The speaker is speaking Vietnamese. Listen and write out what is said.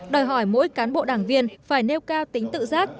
đòi hỏi mỗi cán bộ đảng viên phải nêu cao tính tự giác